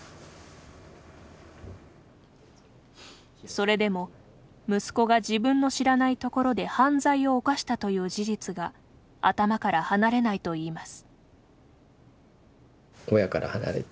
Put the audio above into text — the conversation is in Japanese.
それでも、息子が自分の知らない所で犯罪を犯したという事実が頭から離れないといいます。